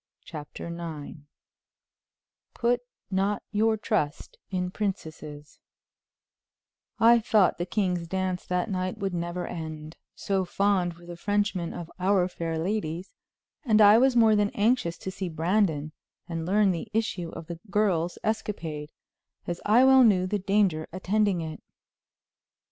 CHAPTER IX Put not your Trust in Princesses I thought the king's dance that night would never end, so fond were the Frenchmen of our fair ladies, and I was more than anxious to see Brandon and learn the issue of the girls' escapade, as I well knew the danger attending it.